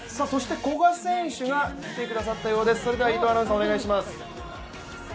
古賀選手が来てくださったようです。